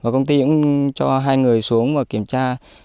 công ty cũng cho hai người xuống và kiểm tra